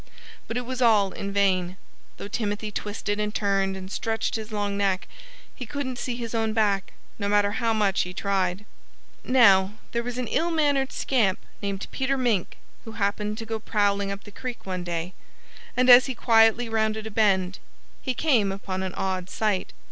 But it was all in vain. Though Timothy twisted and turned and stretched his long neck, he couldn't see his own back, no matter how much he tried. Now, there was an ill mannered scamp named Peter Mink who happened to go prowling up the creek one day. And as he quietly rounded a bend he came upon an odd sight.